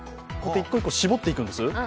１個１個搾っていくんです。